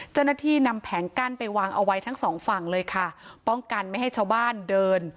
เจ้าหน้าที่นำแผงกั้นไปวางเอาไว้ทั้งสองฝั่งเลยค่ะป้องกันไม่ให้ชาวบ้านเดิน